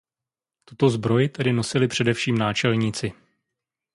Tuto zbroj tedy nosili především náčelníci.